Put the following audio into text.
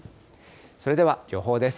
それでは予報です。